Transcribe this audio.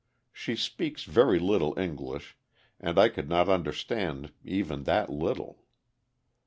She speaks very little English, and I could not understand even that little.